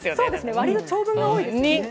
割りと長文が多いですね。